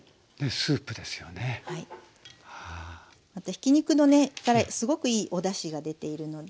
ひき肉からすごくいいおだしが出ているので。